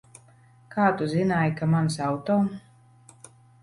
Kā tu zināji, ka mans auto?